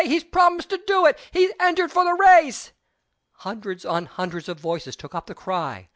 He's promised to do it! He's entered for the race!" Hundreds on hundreds of voices took up the cry.